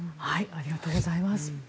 ありがとうございます。